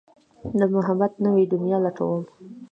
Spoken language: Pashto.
د محبت نوې دنيا لټوم